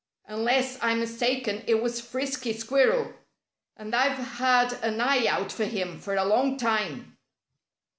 Unless I'm mistaken, it was Frisky Squirrel. And I've had an eye out for him for a longtime."